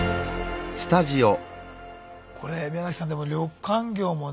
これ宮さんでも旅館業もね